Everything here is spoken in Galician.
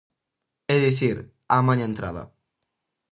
É dicir, amaña a entrada.